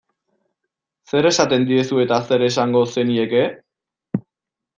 Zer esaten diezu eta zer esango zenieke?